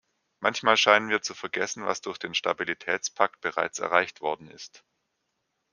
Manchmal scheinen wir zu vergessen, was durch den Stabilitätspakt bereits erreicht worden ist.